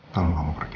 tolong kamu pergi